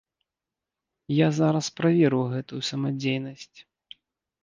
Я зараз праверу гэтую самадзейнасць.